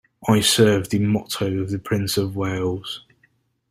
I serve the motto of the Prince of Wales.